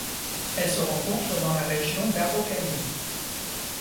Elle se rencontre dans la région d'Araucanie.